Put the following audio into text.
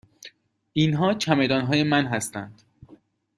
اینها چمدان های من هستند.